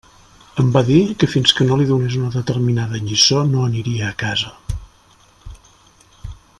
Em va dir que fins que no li donés una determinada lliçó no aniria a casa.